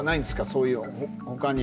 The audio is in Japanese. そういうほかに。